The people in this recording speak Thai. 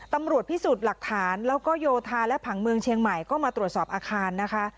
ตำรวจพิสูจน์หลักฐานแล้วก็โยธาและผังเมืองเชียงใหม่ก็มาตรวจสอบอาคารนะคะ